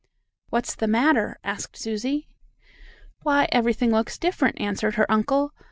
"What's the matter?" asked Susie. "Why, everything looks different," answered her uncle.